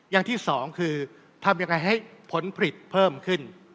อย่างที่สองคือทำยังไงให้ผลผลิตเพิ่มขึ้น